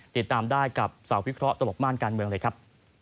ติดตามได้กับสาววิเคราะห์ตลกม่านการเมืองเลยครับ